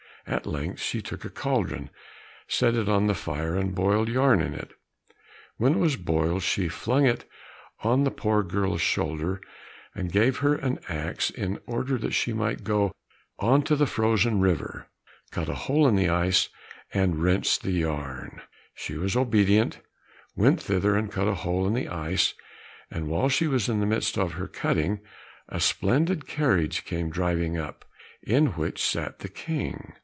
At length she took a cauldron, set it on the fire, and boiled yarn in it. When it was boiled, she flung it on the poor girl's shoulder, and gave her an axe in order that she might go on the frozen river, cut a hole in the ice, and rinse the yarn. She was obedient, went thither and cut a hole in the ice; and while she was in the midst of her cutting, a splendid carriage came driving up, in which sat the King.